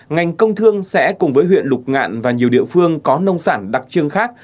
ngành công thương sẽ cùng với huyện lục ngạn và nhiều địa phương có nông sản đặc trưng khác